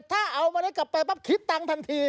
ถ้าเอาเมล็ดกลับไปปั๊บคิดตังค์ทันที